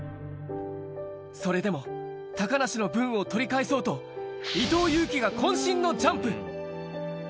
それでも、高梨の分を取り返そうと、伊藤有希がこん身のジャンプ。